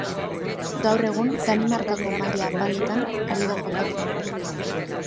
Gaur egun Danimarkako maila apaletan ari da jokatzen.